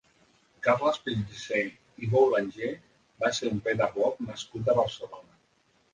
Carles Pellicer i Boulanger va ser un pedagog nascut a Barcelona.